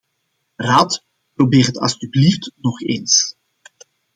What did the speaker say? Raad, probeer het alstublieft nog eens.